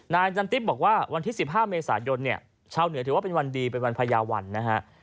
นายจันติ๊บบอกว่าวันที่๑๕เมษายนเนี่ยชาวเหนือถือว่าเป็นวันดีเป็นวันพญาวันนะฮะ